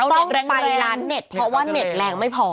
ต้องไปร้านเน็ตเพราะว่าเน็ตแรงไม่พอ